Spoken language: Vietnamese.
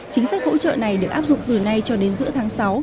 chính sách hỗ trợ này được áp dụng từ nay cho đến giữa tháng sáu